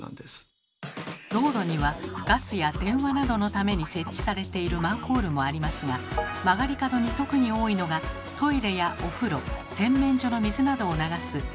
道路にはガスや電話などのために設置されているマンホールもありますが曲がり角に特に多いのがトイレやお風呂洗面所の水などを流す下水道のためのマンホール。